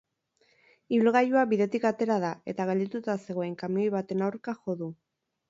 Ibilgailua bidetik atera da eta geldituta zegoen kamioi baten aurka jo du.